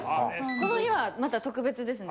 この日はまた特別ですね。